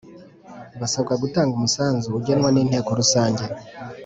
Basabwa gutanga umusanzu ugenwa n’Inteko Rusange